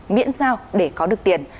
miễn sao để có được tiền